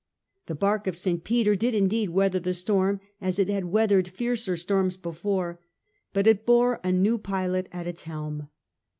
The bark of St. Peter did indeed weather the storm as it had weathered fiercer storms before : but it bore a new pilot at its helm.